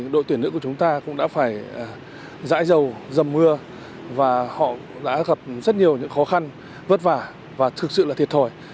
đội tuyển nữ của chúng ta cũng đã phải dãi dầu dầm mưa và họ đã gặp rất nhiều những khó khăn vất vả và thực sự là thiệt thòi